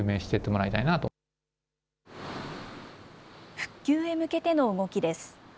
復旧へ向けての動きです。